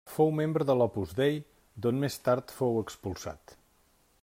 Fou membre de l'Opus Dei, d'on més tard fou expulsat.